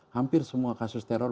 hampir semua kasus teror